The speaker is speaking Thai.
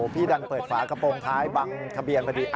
พี่ดันเปิดฝากระโปรงท้ายบังทะเบียนพอดี